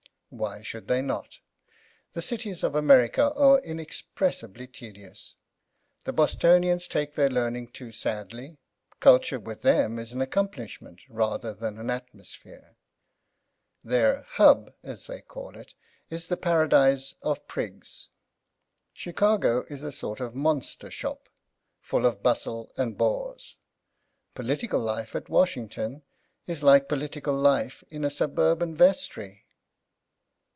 Why should they not? The cities of America are inexpressibly tedious. The Bostonians take their learning too sadly; culture with them is an accomplishment rather than an atmosphere; their “Hub,” as they call it, is the paradise of prigs. Chicago is a sort of monster shop, full of bustle and bores. Political life at Washington is like political life in a suburban vestry.